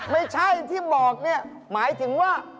ไม่ใช่ที่บอกเนี่ยหมายถึงว่า